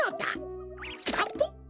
カポッ！